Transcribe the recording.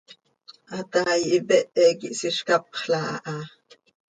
Hataai ipehe quih isizcapxla aha.